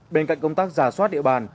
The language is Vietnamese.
bên cạnh công tác giả soát địa bàn